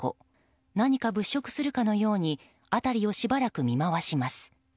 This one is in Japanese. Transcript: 何か物色するかのように辺りをしばらく見渡します。